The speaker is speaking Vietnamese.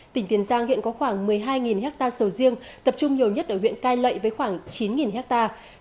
tỉnh tiền giang hiện có khoảng một mươi hai hectare sầu riêng tập trung nhiều nhất ở huyện cai lệ với khoảng chín hectare